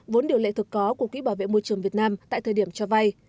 vốn điều lệ thực có của quỹ bảo vệ môi trường việt nam tại thời điểm cho vay